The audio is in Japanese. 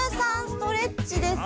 ストレッチです。